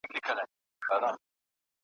دا دمست پښتون ولس دی ,